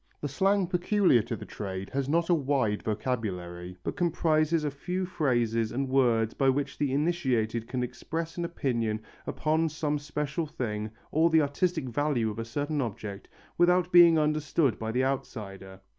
The slang peculiar to the trade has not a wide vocabulary, but comprises a few phrases and words by which the initiated can express an opinion upon some special thing or the artistic value of a certain object without being understood by the outsider.